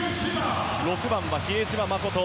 ６番は比江島慎。